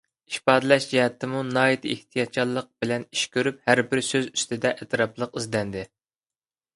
ئىپادىلەش جەھەتتىمۇ ناھايىتى ئېھتىياتچانلىق بىلەن ئىش كۆرۈپ، ھەربىر سۆز ئۈستىدە ئەتراپلىق ئىزدەندى.